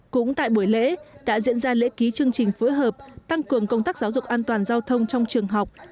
cũng tại buổi lễ đã diễn ra lễ ký chương trình phối hợp tăng cường công tác giáo dục an toàn giao thông trong trường học